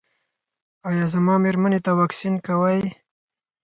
ایا زما میرمنې ته واکسین کوئ؟